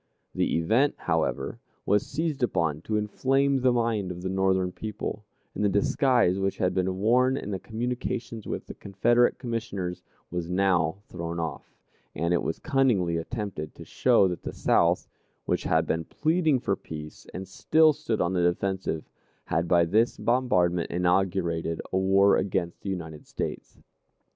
The event, however, was seized upon to inflame the mind of the Northern people, and the disguise which had been worn in the communications with the Confederate Commissioners was now thrown off, and it was cunningly attempted to show that the South, which had been pleading for peace and still stood on the defensive, had by this bombardment inaugurated a war against the United States.